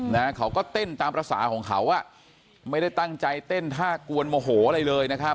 แต่เขาก็เต้นตามรัสสาของเขาไม่ได้ตั้งใจเต้นท่ากวนโอโหอะไรเลย